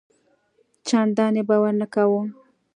چنداني باور نه کاوه.